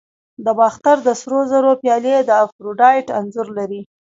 د باختر د سرو زرو پیالې د افروډایټ انځور لري